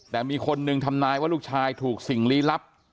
แต่มีคนหนึ่งทำนายว่าลูกชายถูกสิ่งลี้ลับ